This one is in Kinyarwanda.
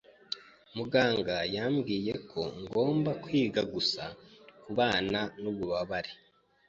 Muganga yambwiye ko ngomba kwiga gusa kubana nububabare.